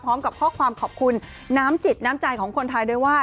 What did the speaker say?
พร้อมกับข้อความขอบคุณน้ำจิตน้ำใจของคนไทยด้วยว่า